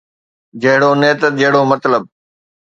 جهڙو نيت ، جهڙو مطلب